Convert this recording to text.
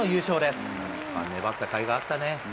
粘ったかいがあったね。